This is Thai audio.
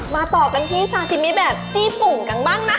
มาต่อกันที่ซาชิมิแบบจีปุงกังบ้างนะคะ